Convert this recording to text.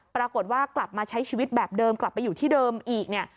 ปรากฏว่ากลับมาใช้ชีวิตแบบเดิมกลับไปอยู่ที่เดิมอีกเนี่ย